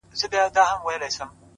• زه تر مور او پلار پر ټولو مهربان یم ,